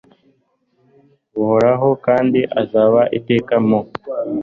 buhoraho, kandi azaba iteka mu